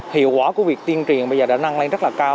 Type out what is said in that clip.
hiệu quả của việc tiên triển bây giờ đã nâng lên rất là cao